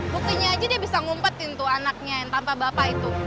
buktinya aja dia bisa ngumpetin tuh anaknya yang tanpa bapak itu